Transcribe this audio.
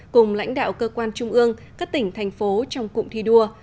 cùng lãnh đạo cơ quan trung ương các tỉnh thành phố trong cụm thi đua